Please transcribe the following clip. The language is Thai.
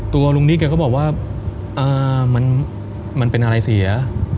ลุงนิดแกก็บอกว่ามันเป็นอะไรเสีย